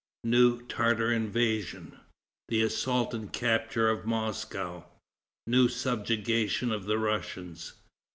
New Tartar invasion. The Assault and Capture of Moscow. New Subjugation of the Russians.